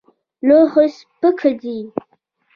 لوښی سپک دی.